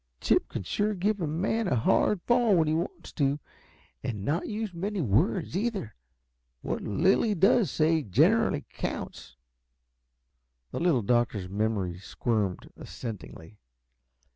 Chip can sure give a man a hard fall when he wants to, and not use many words, either. What little he does say generally counts." The Little Doctor's memory squirmed assentingly.